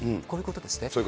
こういうことですね。